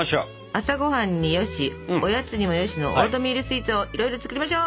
朝ごはんによしおやつにもよしのオートミールスイーツをいろいろ作りましょう！